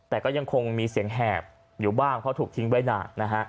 แต่ก็ยังคงมีเสียงแหบอยู่บ้างเพราะถูกทิ้งไว้นานนะฮะ